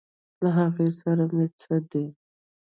له هغې سره مې څه دي.